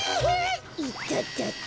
いたたた。